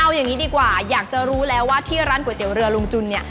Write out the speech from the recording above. เอาอย่างนี้ดีกว่าอยากจะรู้แล้วว่าที่ร้านก๋วยเตี๋ยเรือลุงจุนเนี่ย